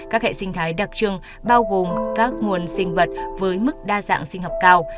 các hệ sinh thái đặc trưng bao gồm các nguồn sinh vật với mức đa dạng sinh học cao